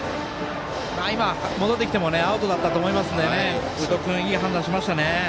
今戻ってきてもアウトだったと思うので宇都君はいい判断しましたね。